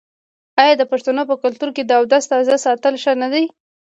آیا د پښتنو په کلتور کې د اودس تازه ساتل ښه نه دي؟